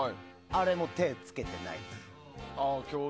あれも手をつけてないです。